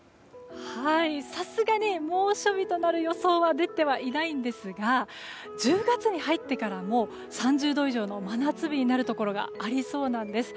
さすがに猛暑日となる予想は出てはいないんですが１０月に入ってからも３０度以上の真夏日になるところがありそうなんです。